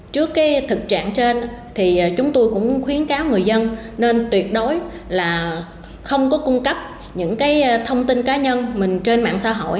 trước thực trạng trên chúng tôi cũng khuyến cáo người dân nên tuyệt đối không cung cấp những thông tin cá nhân trên mạng xã hội